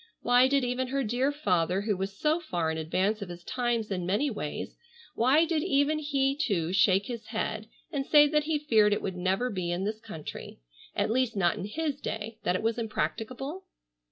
Why did even her dear father who was so far in advance of his times in many ways, why did even he too shake his head and say that he feared it would never be in this country, at least not in his day, that it was impracticable?